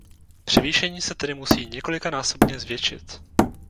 Převýšení se tedy musí několikanásobně zvětšit.